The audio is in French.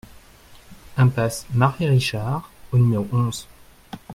Impasse Marie Richard au numéro onze